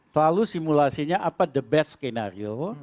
selalu simulasinya apa the best skenario